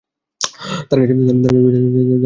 তার কাছে ওটা আছে যা আমার কাছে নেই।